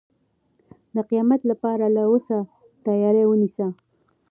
د قیامت لپاره له اوسه تیاری ونیسئ.